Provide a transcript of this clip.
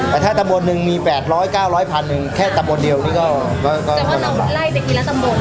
แต่ถ้าตำบลหนึ่งมีแปดร้อยเก้าร้อยพันหนึ่งแค่ตำบลเดียวนี่ก็แต่ว่าเราไล่เด็กนี้ละตำบล